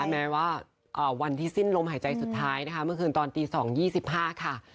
แม้ว่าวันที่สิ้นลมหายใจสุดท้ายนะคะเมื่อคืนตอนตี๒๒๕ค่ะ